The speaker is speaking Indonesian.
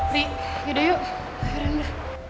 riri yaudah yuk akhirnya